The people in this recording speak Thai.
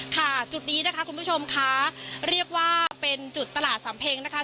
จุดนี้นะคะคุณผู้ชมค่ะเรียกว่าเป็นจุดตลาดสำเพ็งนะคะ